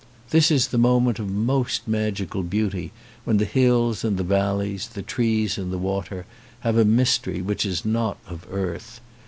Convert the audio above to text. This is the moment of most magical beauty, when the hills and the valleys, the trees and the water, have a mystery which is not of earth.